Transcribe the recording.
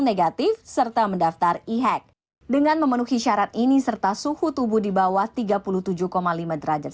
negatif serta mendaftar e hack dengan memenuhi syarat ini serta suhu tubuh di bawah tiga puluh tujuh lima derajat